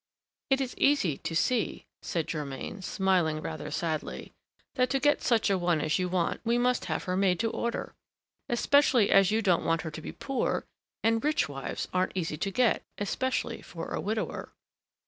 "It is easy to see," said Germain, smiling rather sadly, "that to get such a one as you want we must have her made to order; especially as you don't want her to be poor, and rich wives aren't easy to get, especially for a widower."